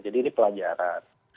jadi ini pelajaran